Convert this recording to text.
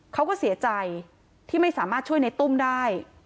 เขาก็เสียใจที่ไม่สามารถช่วยในตุ้มได้